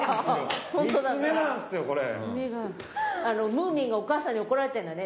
ムーミンがお母さんに怒られてるんだね。